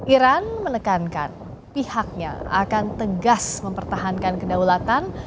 iran menekankan pihaknya akan tegas mempertahankan kedaulatan